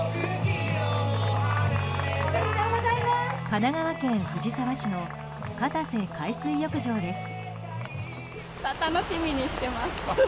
神奈川県藤沢市の片瀬海水浴場です。